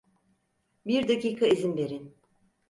Bir dakika izin verin.